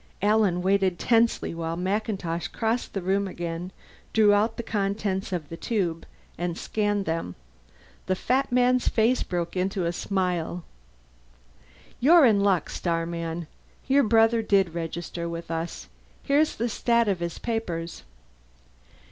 Alan waited tensely while MacIntosh crossed the room again, drew out the contents of the tube, and scanned them. The fat man's face was broken by a smile. "You're in luck, starman. Your brother did register with us. Here's the 'stat of his papers."